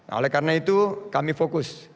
oleh karena itu kami fokus